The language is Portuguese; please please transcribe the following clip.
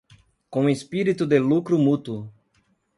com espírito de lucro mútuo